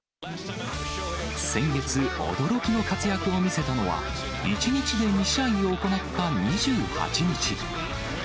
先月、驚きの活躍を見せたのは、１日で２試合を行った２８日。